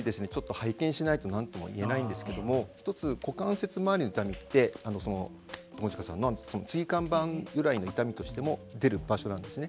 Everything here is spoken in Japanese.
拝見しないとなんとも言えませんが１つ、股関節回りの痛みって友近さんの椎間板由来の痛みとしても出る場所なんですね。